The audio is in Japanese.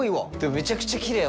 めちゃくちゃきれい。